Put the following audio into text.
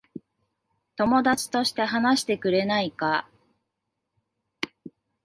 友達として話してくれないか。